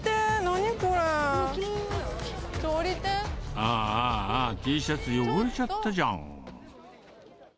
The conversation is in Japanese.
あーあーあー、Ｔシャツ、汚れちゃったじゃん。